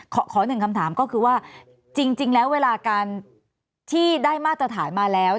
ขอหนึ่งคำถามก็คือว่าจริงแล้วเวลาการที่ได้มาตรฐานมาแล้ว